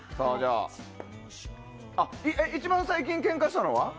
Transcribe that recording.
一番最近ケンカしたのは？